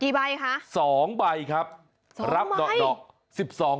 กี่ใบคะ๒ใบครับรับดอก๑๒ล้าน